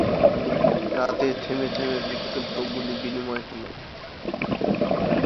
রাতে থেমে থেমে বিক্ষিপ্ত গুলিবিনিময় হলো।